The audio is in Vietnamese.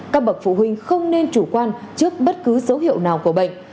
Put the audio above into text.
các bậc phụ huynh không nên chủ quan trước bất cứ dấu hiệu nào của bệnh